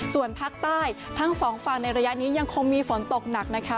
ส่วนภาคใต้ทั้งสองฝั่งในระยะนี้ยังคงมีฝนตกหนักนะคะ